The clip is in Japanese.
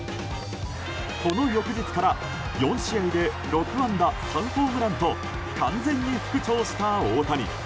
この翌日から４試合で６安打３ホームランと完全に復調した大谷。